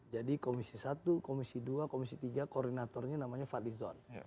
jadi komisi satu komisi dua komisi tiga koordinatornya namanya fadlizon